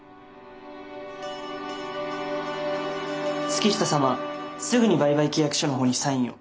月下様すぐに売買契約書の方にサインを。